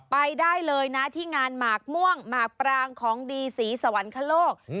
ไปได้เลยนะที่งานหมากม่วงหมากปรางของดีศรีสวรรคโลก